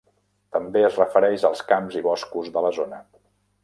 També es refereix als camps i boscos de la zona.